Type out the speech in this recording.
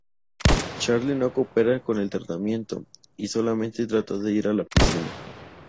Charlie no coopera con el tratamiento y solamente trata de ir a la piscina.